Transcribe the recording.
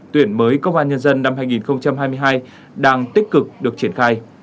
tuyển mới công an nhân dân năm hai nghìn hai mươi hai đang tích cực được triển khai